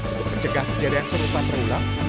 untuk mencegah kejadian serupa terulang